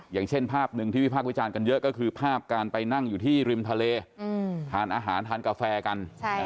อย่างเช่นภาพหนึ่งที่วิพากษ์วิจารณ์กันเยอะก็คือภาพการไปนั่งอยู่ที่ริมทะเลทานอาหารทานกาแฟกัน